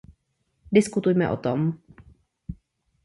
Diskutujme o tom.